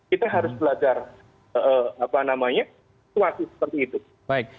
kita harus belajar situasi seperti itu